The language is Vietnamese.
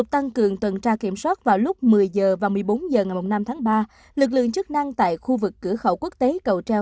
cụ thể vào lúc một mươi giờ và một mươi bốn giờ ngày năm tháng ba lực lượng chức năng tại khu vực cửa khẩu quốc tế cầu treo